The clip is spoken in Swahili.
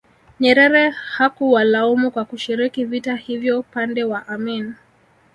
Nyerere hakuwalaumu kwa kushiriki vita hivyo upande wa Amin